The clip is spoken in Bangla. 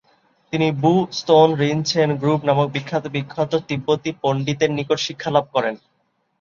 তিনি বু-স্তোন-রিন-ছেন-গ্রুব নামক বিখ্যাত বিখ্যাত তিব্বতী পন্ডিতের নিকট শিক্ষালাভ করেন।